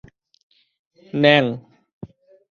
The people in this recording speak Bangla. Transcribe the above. ন্যাং!